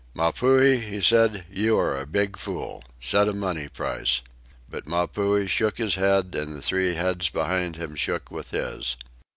"Mapuhi," he said, "you are a big fool. Set a money price." But Mapuhi shook his head, and the three heads behind him shook with his.